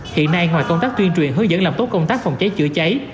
hiện nay ngoài công tác tuyên truyền hướng dẫn làm tốt công tác phòng cháy chữa cháy